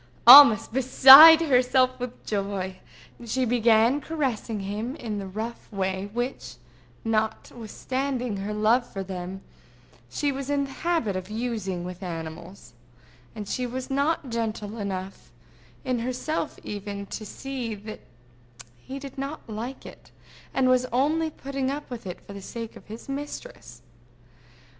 Almost beside herself with joy, she began caressing him in the rough way which, not withstanding her love for them, she was in the habit of using with animals; and she was not gentle enough, in herself even, to see that he did not like it, and was only putting up with it for the sake of his mistress.